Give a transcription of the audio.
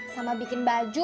sama bikin baju